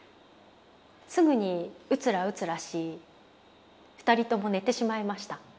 すぐにうつらうつらし２人とも寝てしまいました。